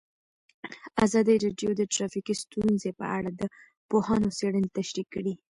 ازادي راډیو د ټرافیکي ستونزې په اړه د پوهانو څېړنې تشریح کړې.